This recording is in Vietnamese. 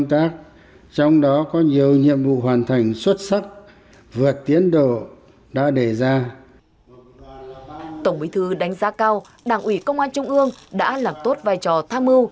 tổng bí thư đánh giá cao đảng ủy công an trung ương đã làm tốt vai trò tham mưu